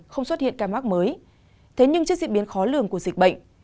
không xuất hiện ca mắc mới thế nhưng trước diễn biến khó lường của dịch bệnh